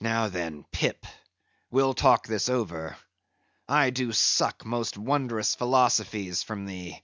Now, then, Pip, we'll talk this over; I do suck most wondrous philosophies from thee!